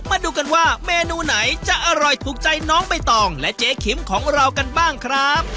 มาดูกันว่าเมนูไหนจะอร่อยถูกใจน้องใบตองและเจ๊คิมของเรากันบ้างครับ